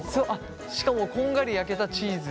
しかもこんがり焼けたチーズ。